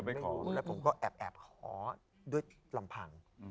ขอแล้วผมก็แอบขอด้วยลำพัง